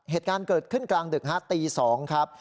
เหตุการณ์เกิดขึ้นกลางดึกตี๒ครับ